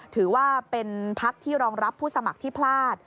ถือว่าเป็นพักที่รองรับผู้สมัครที่พลาด